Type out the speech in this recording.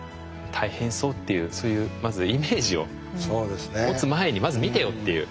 大変そうっていうそういうまずイメージを持つ前にまず見てよっていう。